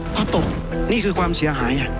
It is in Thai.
พอตกนี่คือความเสียหาย